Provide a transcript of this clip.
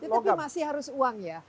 tapi masih harus uang ya